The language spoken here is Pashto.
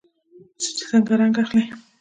چې څنګه رنګ اخلي.